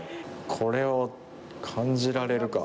これを感じられるか？